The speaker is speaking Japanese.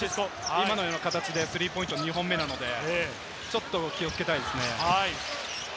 今のような形でスリーポイント２本目なので気をつけたいですね。